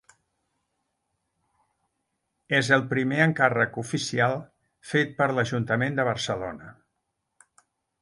És el primer encàrrec oficial fet per l'Ajuntament de Barcelona.